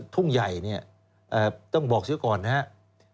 ทุ่งใหญ่เนี่ยต้องบอกเสียก่อนนะครับ